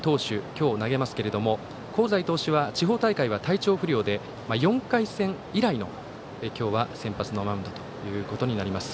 今日、投げますけれども香西投手は地方大会は体調不良で４回戦以来の今日は先発のマウンドとなります。